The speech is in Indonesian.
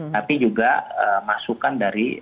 tapi juga masukan dari